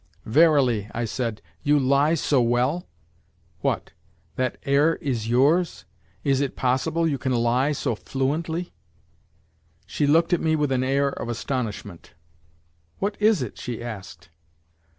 "Verily," I said, "you lie so well? What! that air is yours? Is it possible you can lie so fluently?" She looked at me with an air of astonishment. "What is it?" she asked.